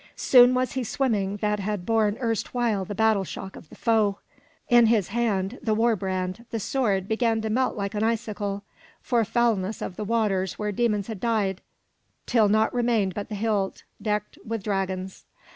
Soon was he swimming that had borne erstwhile the battle shock of the foe. In his hand the war brand, the sword, began to melt like an icicle, for foulness of the waters where demons had died, till naught remained but the hilt, decked with dragons.